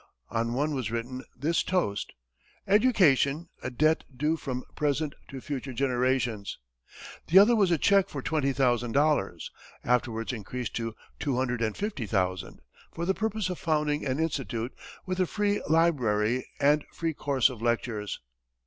On one was written this toast, "Education a debt due from present to future generations." The other was a check for twenty thousand dollars, afterwards increased to two hundred and fifty thousand, for the purpose of founding an Institute, with a free library and free course of lectures.